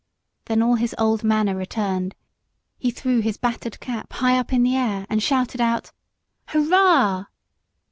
Then all his old manner returned; he threw his battered cap high up in the air, and shouted out, "Hurrah!"